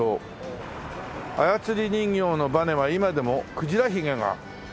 「あやつり人形のバネは今でも鯨ヒゲが」。